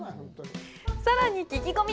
さらに聞き込み。